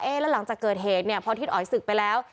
แล้วหลังจากเกิดเหตุเนี่ยพอทิศอ๋อยศึกไปแล้ว